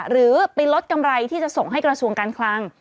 หรือไปลดกำไรที่จะส่งให้กระทรวงการคลัง